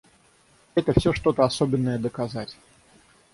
Это всё что-то особенное доказать.